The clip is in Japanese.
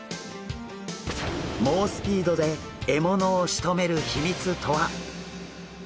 猛スピードで獲物をしとめる秘密とは？